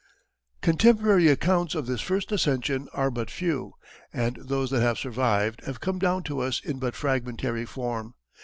Contemporary accounts of this first ascension are but few, and those that have survived have come down to us in but fragmentary form.